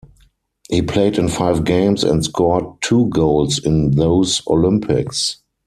He played in five games and scored two goals in those Olympics.